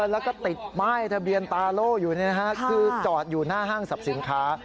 แล้วก็ติดป้ายทะเบียนตาโล่อยู่คือจอดอยู่หน้าห้างสรรพสินค้า